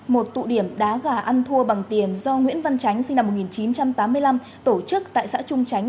một tụ điểm đá gà ăn thua bằng tiền do nguyễn văn tránh sinh năm một nghìn chín trăm tám mươi năm tổ chức tại xã trung chánh